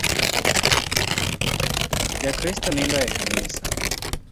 Ja Kristo nindo e kanisa